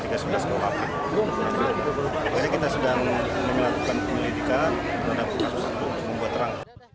terhadap kasus untuk membuat terang